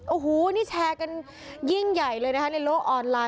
โอ้โหนี่แชร์กันยิ่งใหญ่เลยนะคะในโลกออนไลน